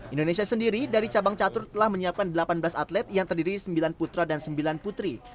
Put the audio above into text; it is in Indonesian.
indonesia sendiri dari cabang catur telah menyiapkan delapan belas atlet yang terdiri sembilan putra dan sembilan putri